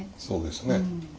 そうですね。